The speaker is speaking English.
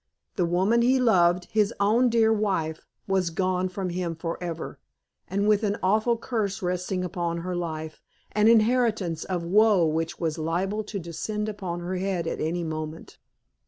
The woman he loved his own dear wife was gone from him forever, and with an awful curse resting upon her life, an inheritance of woe which was liable to descend upon her head at any moment.